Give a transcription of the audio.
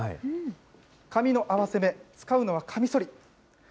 紙の合わせ目、使うのはかみそり。